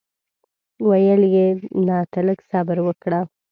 ویل یې نه ته لږ صبر وکړه.